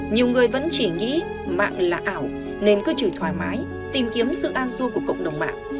nhiều người vẫn chỉ nghĩ mạng là ảo nên cứ chỉ thoải mái tìm kiếm sự an xua của cộng đồng mạng